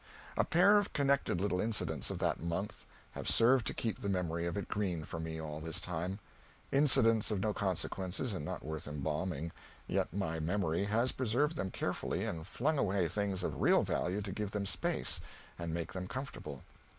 A pair of connected little incidents of that month have served to keep the memory of it green for me all this time; incidents of no consequence, and not worth embalming, yet my memory has preserved them carefully and flung away things of real value to give them space and make them comfortable.